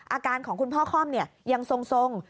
อาการของคุณพ่อค่อมยังทรง